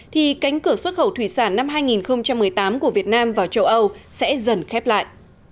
thì cánh cửa xuất khẩu thủy sản năm hai nghìn một mươi tám của việt nam vào châu âu sẽ dần khép lại